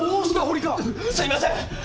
すいません！